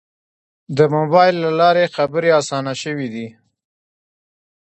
د موبایل له لارې خبرې آسانه شوې دي.